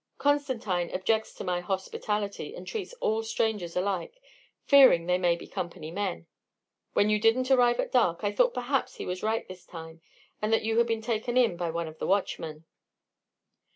Constantine objects to my hospitality, and treats all strangers alike, fearing they may be Company men. When you didn't arrive at dark, I thought perhaps he was right this time, and that you had been taken in by one of the watchmen."